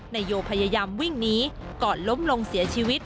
นายโยพยายามวิ่งหนีก่อนล้มลงเสียชีวิต